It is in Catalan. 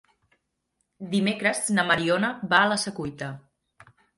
Dimecres na Mariona va a la Secuita.